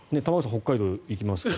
北海道に行きますけど。